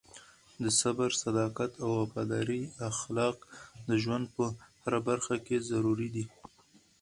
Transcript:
د صبر، صداقت او وفادارۍ اخلاق د ژوند په هره برخه کې ضروري دي.